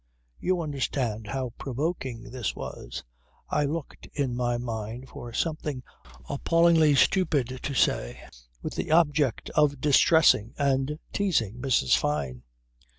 You understand how provoking this was. I looked in my mind for something appallingly stupid to say, with the object of distressing and teasing Mrs. Fyne.